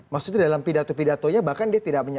maksudnya dalam pidato pidatonya bahkan dia